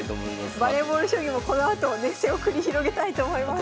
バレーボール将棋もこのあと熱戦を繰り広げたいと思います。